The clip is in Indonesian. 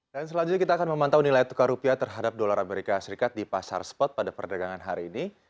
dan selanjutnya kita akan memantau nilai tukar rupiah terhadap dolar amerika serikat di pasar spot pada perdagangan hari ini